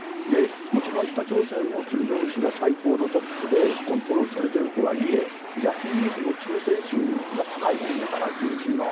もちろん北朝鮮も金正恩氏が最高のトップでコントロールされているとはいえ逆に忠誠心が高いもんだから軍人の。